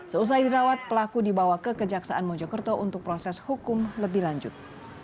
seusai dirawat pelaku dibawa ke kejaksaan mojokerto untuk proses hukum lebih lanjut